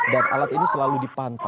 dan alat ini selalu dipantau